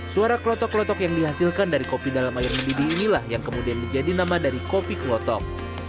suara klotok klotok yang dihasilkan dari kopi dalam air mendidih inilah yang kemudian menjadi nama dari kopi klotok